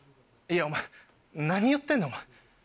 いやお前何言ってんの？